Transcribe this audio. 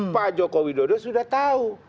pak joko widodo sudah tahu